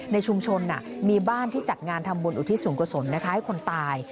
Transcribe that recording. ในชุมชนมีบ้านที่จัดงานทำบุญอุทิศสูงกษลให้คนตาย